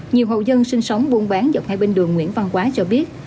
nhiều hộ dân sinh sống buôn bán dọc hai bên đường nguyễn văn quá cho biết